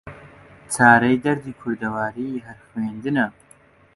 چارە دەردی کوردەواری هەر خوێندنە